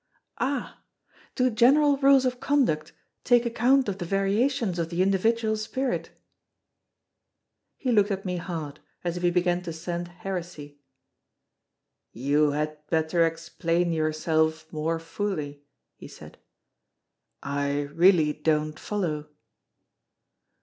"Ah! Do general rules of conduct take account of the variations of the individual spirit?" He looked at me hard, as if he began to scent heresy. "You had better explain yourself more fully," he said. "I really don't follow."